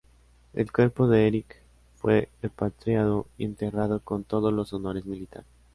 El cuerpo de Eicke fue repatriado y enterrado con todos los honores militares.